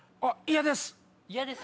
嫌です？